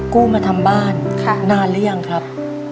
กู้มาทำบ้านนานหรือยังครับ